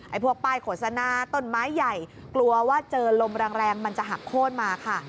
พวกป้ายโฆษณาต้นไม้ใหญ่กลัวว่าเจอลมแรงมันจะหักโค้นมาค่ะ